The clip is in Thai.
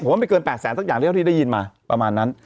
ผมว่าไม่เกิน๘แสนสักอย่างเดียวเท่าที่ได้ยินมาประมาณนั้น